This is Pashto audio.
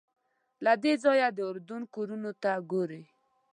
له دې ځایه د اردن کورونو ته ګورې.